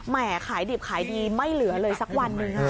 ขายดิบขายดีไม่เหลือเลยสักวันหนึ่ง